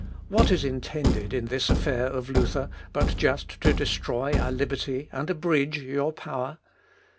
What is intended in this affair of Luther but just to destroy our liberty and abridge your power?